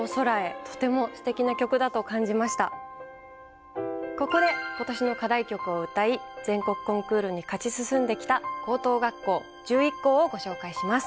私もここで今年の課題曲を歌い全国コンクールに勝ち進んできた高等学校１１校をご紹介します。